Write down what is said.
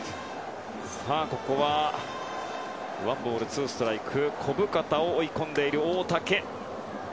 ここはワンボールツーストライク小深田を追い込んでいる大竹。